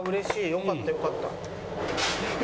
よかったよかった。